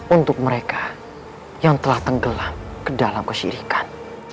untuk mereka yang telah tenggelam ke dalam kesirikan